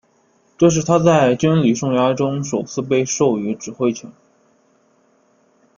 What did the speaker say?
这是他在军旅生涯中首次被授予指挥权。